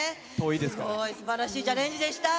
すごい、すばらしいチャレンジでした。